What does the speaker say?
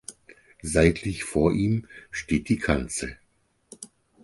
Seitlich vor ihm steht die Kanzel.